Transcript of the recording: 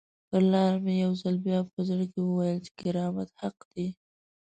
پر لاره مې یو ځل بیا په زړه کې وویل چې کرامت حق دی.